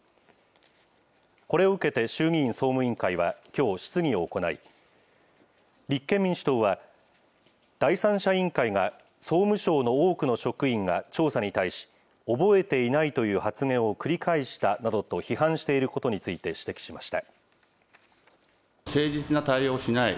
これを受けて衆議院総務委員会はきょう、質疑を行い、立憲民主党は、第三者委員会が総務省の多くの職員が調査に対し、覚えていないという発言を繰り返したなどと批判していることについて指摘しました。